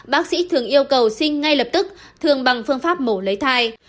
bác sĩ thường yêu cầu sinh ngay lập tức thường bằng phương pháp mổ lấy thai